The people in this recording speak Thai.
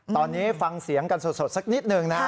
ตอนนี้ฟังเสียงกันสดสักนิดหนึ่งนะ